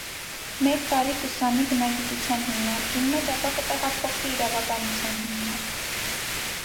Մէկ տարի կ՛ուսանի բնագիտութեան հիմնարկին մէջ, ապա կը տեղափոխուի իրաւաբանութեան հիմնարկ։